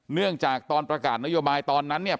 เนื่องจากตอนประกาศนโยบายตอนนั้นเนี่ย